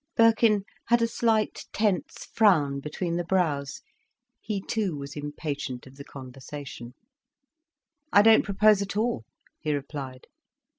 Birkin had a slight, tense frown between the brows. He too was impatient of the conversation. "I don't propose at all," he replied.